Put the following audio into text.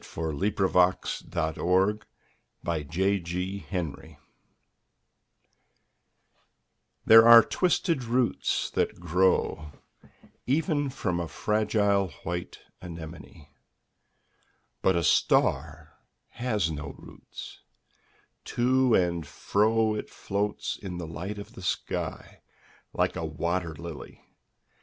DiqllzodbvCoOgle STAR SONG These are twisted roots that grow Even from a fragile white anemone. 'But a star has no roots : to and fro It floats in the light of the sky, like a wat«r ]ily.